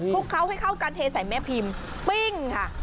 ลุกเขาให้เข้ากันเทใส่แม่พิมพ์ปิ้งค่ะ